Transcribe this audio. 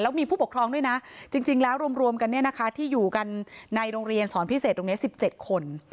มีผู้ปกครองด้วยนะจริงแล้วรวมกันที่อยู่กันในโรงเรียนสอนพิเศษตรงนี้๑๗คน